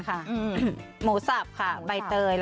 ด้านในเป็นแลิล์นเบส